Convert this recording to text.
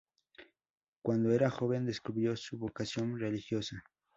Cuando era joven descubrió su vocación religiosa.